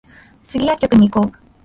スギ薬局に行こう